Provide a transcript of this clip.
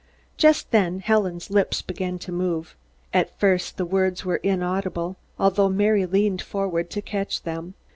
Just then Helen's lips began to move. At first the words were inaudible, although Mary leaned forward to catch them.